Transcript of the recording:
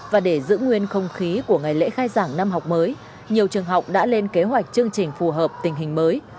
và để giữ nguyên không khí của ngày lễ khai giảng năm học mới nhiều trường học đã lên kế hoạch chương trình phù hợp tình hình mới